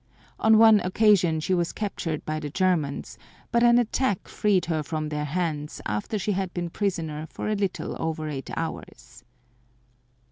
On one occasion she was captured by the Germans, but an attack freed her from their hands after she had been a prisoner for a little over eight hours.